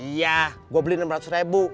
iya gue beli enam ratus ribu